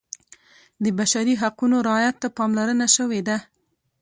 د بشري حقونو رعایت ته پاملرنه شوې ده.